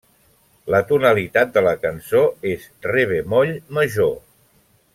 La tonalitat de la cançó és Re bemoll major.